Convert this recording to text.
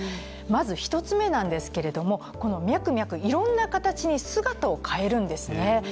まず１つ目なんですけれども、このミャクミャクいろんな形に姿を変えるんですね。